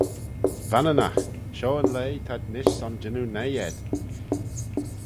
Vanninagh, shoh yn leigh t'ad nish son jannoo noi ayd.